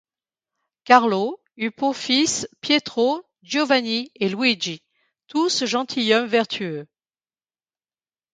Carlo eut pour fils Pietro, Giovanni et Luigi, tous gentilshommes vertueux.